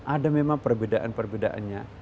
ada memang perbedaan perbedaannya